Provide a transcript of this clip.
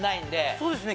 そうですね